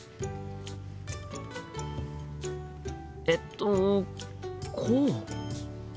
えっとこう？